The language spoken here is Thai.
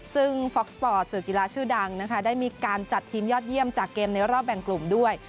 ซึ่งฟอกสปอร์ตสื่อกีฬาชื่อดังนะคะได้มีการจัดทีมยอดเยี่ยมจากเกมในรอบแบ่งกลุ่มด้วย